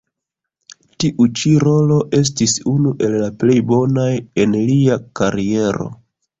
Tiu ĉi rolo estis unu el la plej bonaj en lia kariero.